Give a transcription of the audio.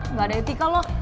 nggak ada etika lo